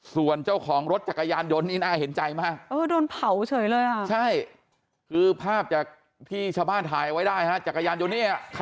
ส่วนเจ้าของรถจักรยานยนต์นี่น่าเห็นใจมาก